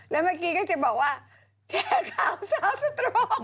แล้วเมื่อกี้ก็จะบอกว่าแชร์ข่าวสาวสตรู